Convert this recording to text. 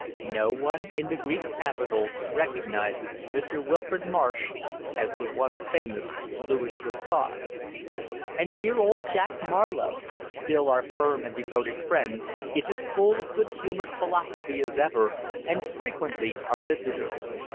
No one in the Greek capital recognizes Mr. Wilfrid Marsh as the once famous Louis Lessar. And dear old Jack Marlowe, still our firm and devoted friend, is as full of good humoured philosophy as ever, and frequently our visitor.